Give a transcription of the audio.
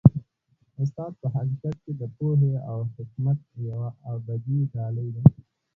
استاد په حقیقت کي د پوهې او حکمت یوه ابدي ډالۍ ده.